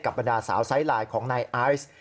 กับบรรดาสาวไซด์ไลน์ของนายอายส์